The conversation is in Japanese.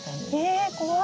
え怖い。